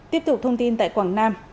tiếp tục thông tin tại quảng nam